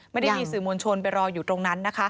ไม่ได้มีสื่อมวลชนไปรออยู่ตรงนั้นนะคะ